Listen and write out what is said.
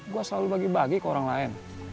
gue selalu bagi bagi ke orang lain